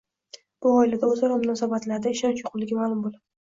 bu oilada o‘zaro munosabatlarda ishonch yo‘qligi ma’lum bo‘ladi.